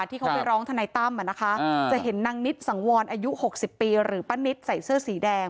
ที่เขาไปร้องทะนายตั้มอ่ะนะคะอ่าจะเห็นนางนิดสังวรอายุหกสิบปีหรือป้านิดใส่เสื้อสีแดง